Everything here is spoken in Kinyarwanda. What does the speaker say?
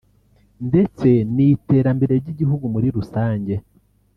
ndetse n’iterambere ry’igihugu muri rusange